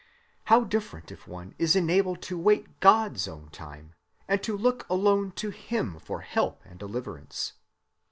How different if one is enabled to wait God's own time, and to look alone to him for help and deliverance!